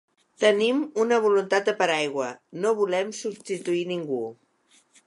Tenim una voluntat de paraigua, no volem substituir ningú.